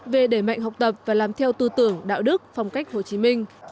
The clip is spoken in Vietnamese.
về đẩy mạnh học tập và làm theo tư tưởng đạo đức phong cách hồ chí minh